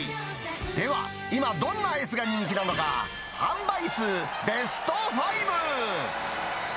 では、今、どんなアイスが人気なのか、販売数ベスト５。